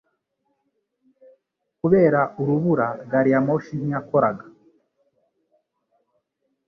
Kubera urubura gari ya moshi ntiyakoraga